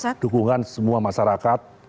saya ingin mohon dukungan semua masyarakat